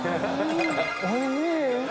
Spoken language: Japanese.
おいしい！